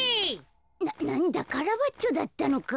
なんだカラバッチョだったのか。